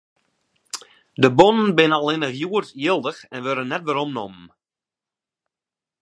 De bonnen binne allinnich hjoed jildich en wurde net weromnommen.